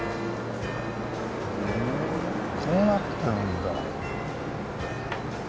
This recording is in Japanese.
ふんこうなってるんだ。